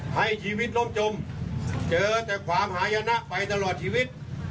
ให้ชีวิตล่มจมเจอแต่ความหายนะไปตลอดชีวิต